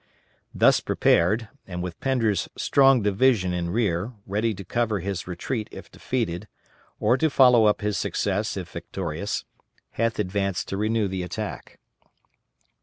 Thus prepared, and with Pender's strong division in rear, ready to cover his retreat if defeated, or to follow up his success if victorious, Heth advanced to renew the attack.